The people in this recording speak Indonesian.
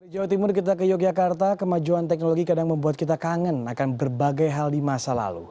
jawa timur kita ke yogyakarta kemajuan teknologi kadang membuat kita kangen akan berbagai hal di masa lalu